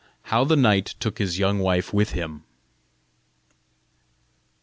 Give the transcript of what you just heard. HOW THE KNIGHT TOOK HIS YOUNG WIFE WITH HIM.